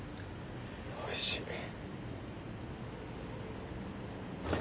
おいしい。